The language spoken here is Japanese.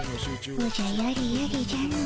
おじゃやれやれじゃの。